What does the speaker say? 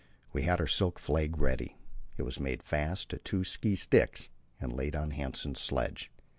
We had our silk flag ready; it was made fast to two ski sticks and laid on Hanssen's sledge.